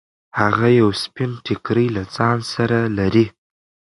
هغه یو سپین ټیکری له ځان سره لري.